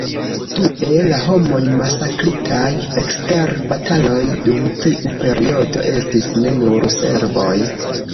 Due, la homoj masakritaj ekster bataloj dum tiu periodo estis ne nur serboj.